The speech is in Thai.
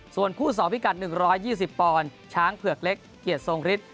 ส่วนคู่๒พิกัด๑๒๐ปอนด์ช้างเผือกเล็กเกียรติทรงฤทธิ